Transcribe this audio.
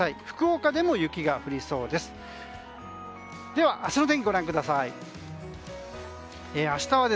福岡でも雪が降りそうです。